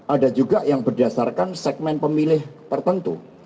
ada juga yang berdasarkan segmen pemilih tertentu